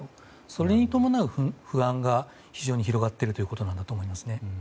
それに伴う不安が非常に広がっているということだと思います。